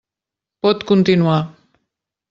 Pot continuar.